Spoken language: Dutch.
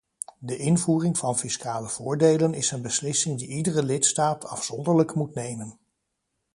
De invoering van fiscale voordelen is een beslissing die iedere lidstaat afzonderlijk moet nemen.